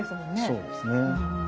そうですね。